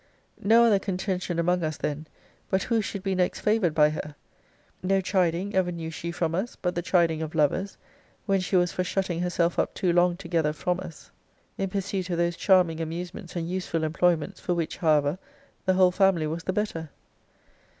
No other contention among us, then, but who should be next favoured by her. No chiding ever knew she from us, but the chiding of lovers, when she was for shutting herself up too long together from us, in pursuit of those charming amusements and useful employments, for which, however, the whole family was the better.